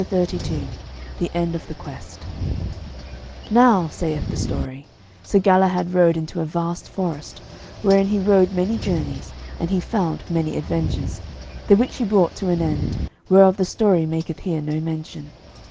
CHAPTER XXXII THE END OF THE QUEST Now, saith the story, Sir Galahad rode into a vast forest, wherein he rode many journeys, and he found many adventures, the which he brought to an end, whereof the story maketh here no mention.